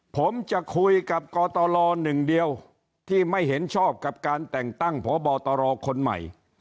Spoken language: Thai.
ผมจะคุยกับกตรหนึ่งเดียวที่ไม่เห็นชอบกับการแต่งตั้งพบตรคนใหม่